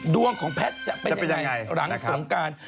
ดวงของแพทย์จะเป็นยังไงหลังสงการ